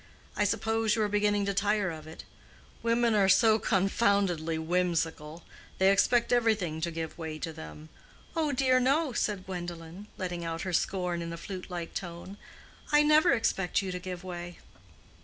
I suppose you are beginning to tire of it. Women are so confoundedly whimsical. They expect everything to give way to them." "Oh, dear, no!" said Gwendolen, letting out her scorn in a flute like tone. "I never expect you to give way."